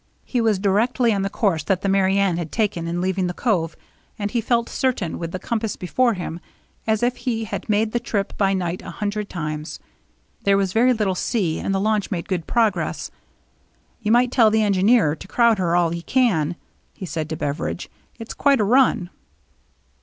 He was directly on the course that the Merry Anne had taken in leaving the cove, and he felt as certain, with the compass before him, as if he had made the trip by night a hundred times. There was very little sea, and the launch made good progress. " You might tell the engineer to crowd her all he can," he said to Beveridge. " It's quite a run."